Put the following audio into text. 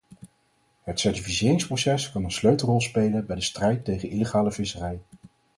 Het certificeringsproces kan een sleutelrol spelen bij de strijd tegen illegale visserij.